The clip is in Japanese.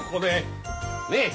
ねえ？